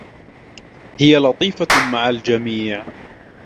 هي لطيفة مع الجميع.